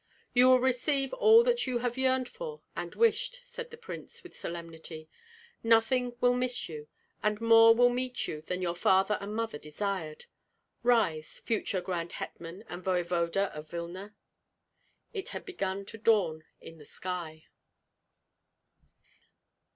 "You will receive all that you have yearned for and wished," said the prince, with solemnity. "Nothing will miss you, and more will meet you than your father and mother desired. Rise, future grand hetman and voevoda of Vilna!" It had begun to dawn in the sky.